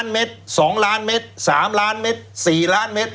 ๑๐๐๐๐๐๐เมตร๒๐๐๐๐๐๐เมตร๓๐๐๐๐๐๐เมตร๔๐๐๐๐๐๐เมตร